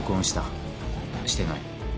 してない？